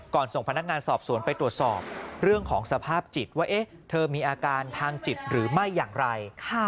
ส่งพนักงานสอบสวนไปตรวจสอบเรื่องของสภาพจิตว่าเธอมีอาการทางจิตหรือไม่อย่างไร